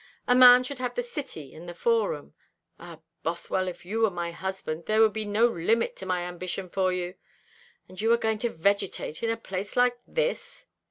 A man should have the city and the Forum. Ah, Bothwell, if you were my husband, there would be no limit to my ambition for you! And you are going to vegetate in a place like this?"